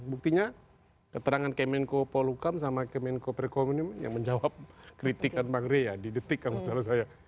buktinya keterangan kemenko polukam sama kemenko perekonomian yang menjawab kritikan bang rey ya di detik kalau tidak salah saya